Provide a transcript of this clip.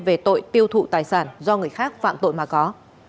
về tội tiêu thụ tài sản do người khác phạm tội mà có